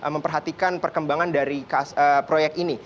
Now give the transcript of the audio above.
memperhatikan perkembangan dari proyek ini